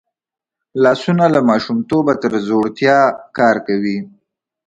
لاسونه له ماشومتوبه تر زوړتیا کار کوي